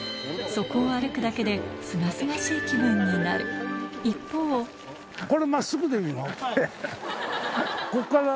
そこを歩くだけですがすがしい気分になる一方こっから。